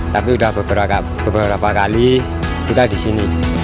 tapi sudah beberapa kali kita di sini